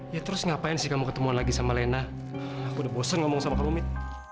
ya terus ngapain sih kamu ketemuan lagi sama lena aku udah bosen ngomong sama kamu mid